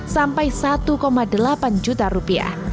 sampai satu delapan juta rupiah